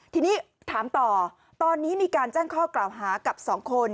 ทีนี้ถามต่อตอนนี้มีการแจ้งข้อกล่าวหากับสองคน